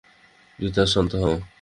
রিতা, শান্ত হও।